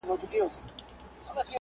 کوم عمل به مي دې خلکو ته په یاد وي؟!